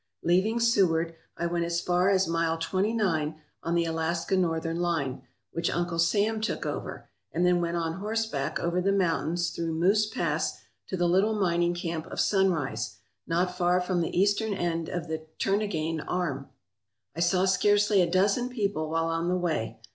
Leaving Seward, I went as far as Mile Twenty nine on the Alaska Northern line, which Uncle Sam took over, and then went on horseback over the mountains through Moose Pass to the little mining camp of Sunrise, not far from the eastern end of the Turnagain Arm. I saw scarcely a dozen people while on the way.